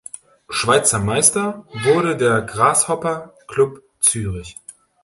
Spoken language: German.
Schweizer Meister wurde der Grasshopper Club Zürich.